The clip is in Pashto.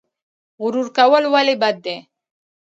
غرور کول ولې بد دي؟